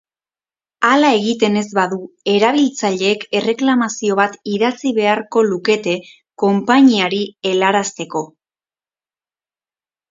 Hala egiten ez badu, erabiltzaileek erreklamazio bat idatzi beharko lukete konpainiari helarazteko.